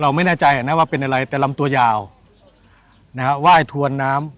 ไม่แน่ใจนะว่าเป็นอะไรแต่ลำตัวยาวนะฮะไหว้ถวนน้ำ